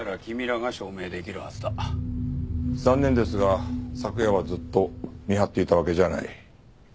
残念ですが昨夜はずっと見張っていたわけじゃない。